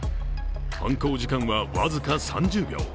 犯行時間は僅か３０秒。